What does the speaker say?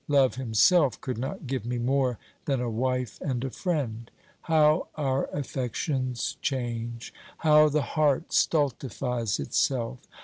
Love himself could not give me more than a wife and a friend. How our affections change ! How the heart stultifies itself!